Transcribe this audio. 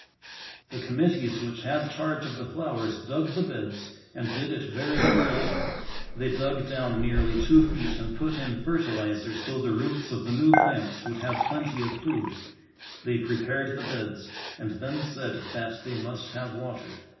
The committees which had charge of the flowers dug the beds and did it very thoroughly. They dug down nearly two feet and put in fertilizer so the roots of the new plants would have plenty of food. They prepared the beds and then said that they must have water.